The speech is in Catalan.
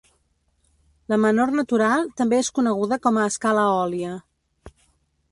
La menor natural, també és coneguda com a escala eòlia.